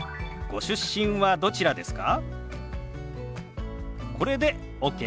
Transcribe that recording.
ご出身はどちらですか？